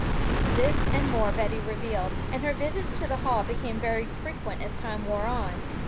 This and more Betty revealed; and her visits to the Hall became very frequent as time wore on.